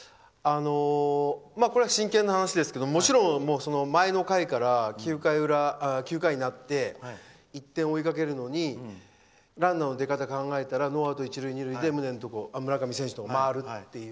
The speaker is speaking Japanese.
これは真剣な話ですけどもちろん前の回から９回になって１点を追いかけるのにランナーの出方を考えたらノーアウト、一塁二塁で村上選手のところに回るっていう。